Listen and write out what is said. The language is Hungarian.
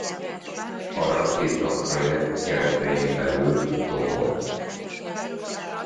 A Rakéta projekt keretein belül dobolt.